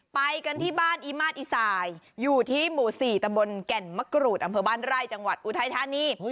ไปกันที่บ้านอีมาตรอีสายอยู่ที่หมู่๔ตะบนแก่นมะกรูดอำเภอบ้านไร่จังหวัดอุทัยธานี